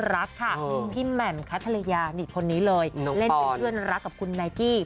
เล่นเป็นเพื่อนรักกับคุณไนกี้